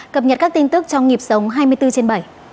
cập nhật các tin tức trong nhịp sống hai mươi bốn trên bảy